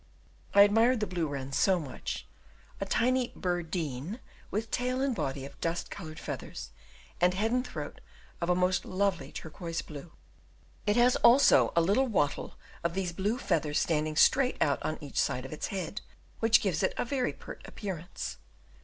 I admired the blue wren so much a tiny birdeen with tail and body of dust coloured feathers, and head and throat of a most lovely turquoise blue; it has also a little wattle of these blue feathers standing straight out on each side of its head, which gives it a very pert appearance.